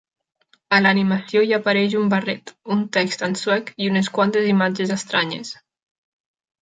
A l'animació hi apareix un barret, un text en suec i unes quantes imatges estranyes.